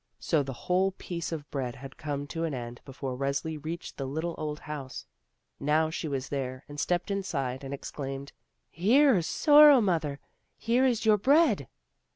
So the whole piece of bread had come to an end before Resli reached the little old house. Now she was there and stepped inside and exclaimed: "Here, Sorrow mother, here is your bread!"